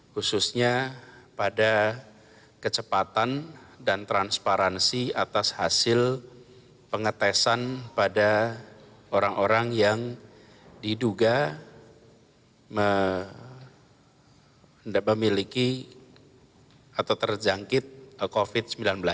khususnya pada kecepatan dan transparansi atas hasil pengetesan pada orang orang yang diduga memiliki atau terjangkit covid sembilan belas